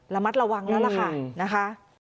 ระมัดระวังแล้วล่ะค่ะนะคะ